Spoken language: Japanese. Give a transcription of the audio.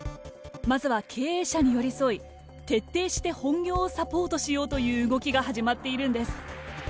まずは経営者に寄り添い徹底して本業をサポートしようという動きが始まっているんです。